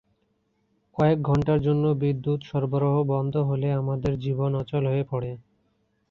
কয়েক ঘণ্টার জন্য বিদ্যুত সরবরাহ বন্ধ হলে আমাদের জীবন অচল হয়ে পড়ে।